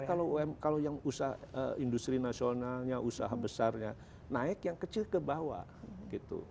nah sehingga kalau yang usaha industri nasionalnya usaha besarnya naik yang kecil ke bawah